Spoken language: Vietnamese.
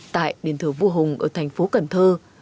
tại đền thờ vua hùng ở thành phố cần thơ